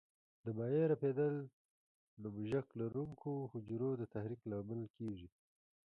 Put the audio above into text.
د مایع رپېدل د مژک لرونکو حجرو تحریک لامل کېږي.